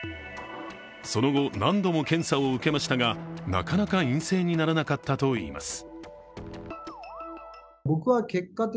その後、何度も検査を受けましたがなかなか陰性にならなかったといいます。